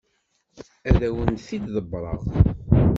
Ad awent-t-id-ḍebbreɣ.